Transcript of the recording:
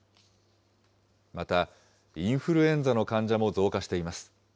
また、インフルエンザの患者も増加しています。